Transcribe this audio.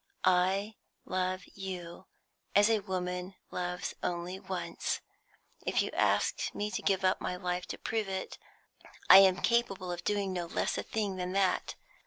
I love you as a woman loves only once; if you asked me to give up my life to prove it, I am capable of doing no less a thing than that.